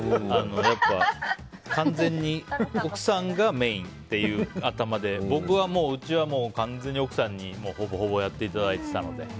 完全に奥さんがメインっていう頭で僕はもう、うちはもう完全に奥さんに、ほぼほぼやっていただいていたので。